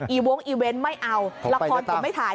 วงอีเวนต์ไม่เอาละครผมไม่ถ่าย